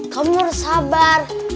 kamu harus sabar